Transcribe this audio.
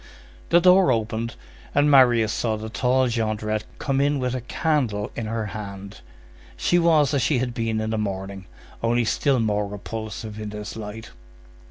The door opened, and Marius saw the tall Jondrette come in with a candle in her hand. She was as she had been in the morning, only still more repulsive in this light.